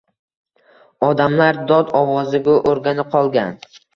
Odamlar dod ovoziga o‘rganib qolgan